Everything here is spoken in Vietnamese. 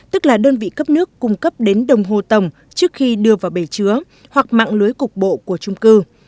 tức là đơn vị cấp nước cung cấp đến đồng hồ tầng trước khi đưa vào bể chứa hoặc mạng lưới cục bộ của trung cư